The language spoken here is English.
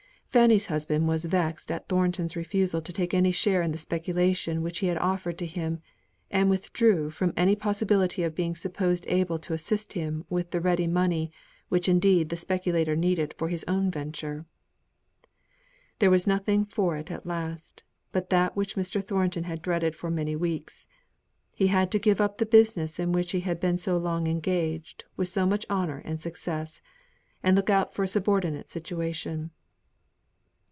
Fanny's husband was vexed at Thornton's refusal to take any share in the speculation which he had offered to him, and withdrew from any possibility of being supposed able to assist him with the ready money, which indeed the speculator needed for his own venture. There was nothing for it at last, but that which Mr. Thornton had dreaded for many weeks; he had to give up the business in which he had been so long engaged with so much honour and success; and look out for a subordinate situation.